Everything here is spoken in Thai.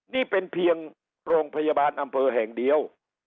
นี่เป็นเพียงโรงพยาบาลอำเภอแห่งเดียว